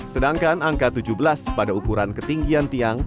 sedangkan angka tujuh belas pada ukuran ketinggian tiang